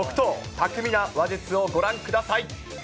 巧みな話術をご覧ください。